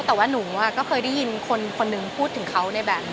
แต่ว่าหนูก็เคยได้ยินคนหนึ่งพูดถึงเขาในแบบ